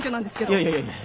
いやいやいや